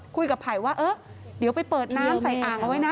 คุยกับไผ่ว่าเออเดี๋ยวไปเปิดน้ำใส่อ่างเอาไว้นะ